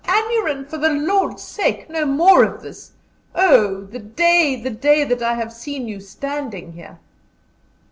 Aneurin! for the Lord's sake, no more of this! Oh, the day, the day, that I have seen you standing here."